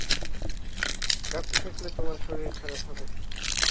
কাছে থাকলে তোমার শরীর খারাপ হবে।